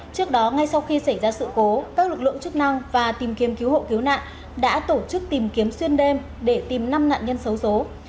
trước đó ngay sau khi xảy ra sự cố các lực lượng chức năng và tìm kiếm cứu hộ cứu nạn đã tổ chức tìm kiếm xuyên đêm để tìm năm nạn nhân xấu xố